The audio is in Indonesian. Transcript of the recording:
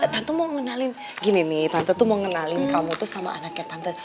tante mau ngenalin gini nih tante tuh mau ngenalin kamu tuh sama anaknya tante